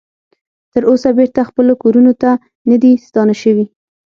تر اوسه بیرته خپلو کورونو ته نه دې ستانه شوي